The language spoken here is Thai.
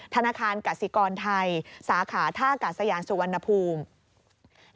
ธนาคารกสิกรไทยสาขาท่ากาศยานสุวรรณภูมิ